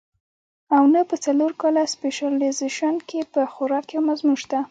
او نۀ پۀ څلور کاله سپېشلائزېشن کښې پۀ خوراک يو مضمون شته